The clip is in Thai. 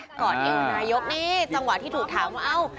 กอดเองกับนายกนี่จังหวะที่ถูกถามว่า